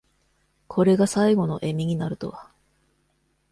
これが最期の笑みになるとは。